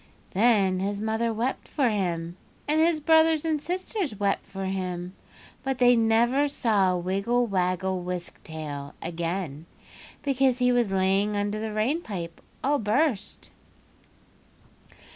"Then his mother wept for him, and his brothers and sisters wept for him, but they never saw Wiggle Waggle Wisk Tail again, because he was lying under the rain pipe all burst."